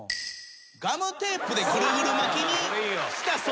ガムテープでぐるぐる巻きにしたそうです。